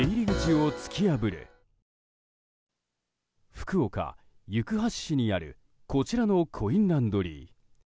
福岡・行橋市にあるこちらのコインランドリー。